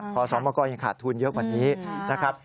ขอสมกรยังขาดทุนเยอะกว่านี้นะครับ